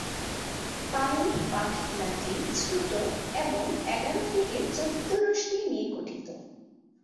পায়ু-পাখনাটি ছোট এবং এগারো থেকে চৌদ্দ রশ্মি নিয়ে গঠিত।